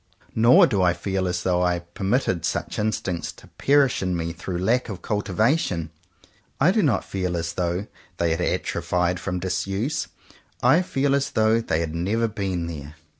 Nor do I feel as though I had per mitted such instincts to perish in me through lack of cultivation. I do not feel as though they had atrophied from disuse. I feel as though they had never been there.